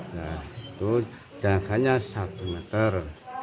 nah itu jaraknya satu meter